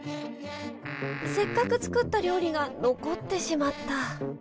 せっかく作った料理が残ってしまった。